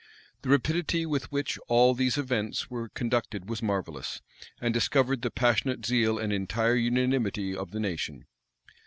The rapidity with which all these events were conducted was marvellous, and discovered the passionate zeal and entire unanimity of the nation.